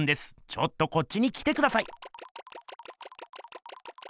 ちょっとこっちに来てください！